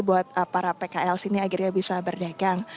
buat para pkl sini akhirnya bisa berdagang